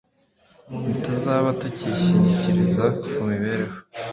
Ntituzaba tucyishingikiriza ku mibereho